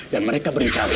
dan mereka berencana